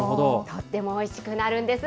とってもおいしくなるんです。